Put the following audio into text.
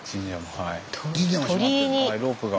はいロープが。